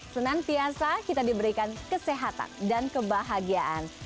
senantiasa kita diberikan kesehatan dan kebahagiaan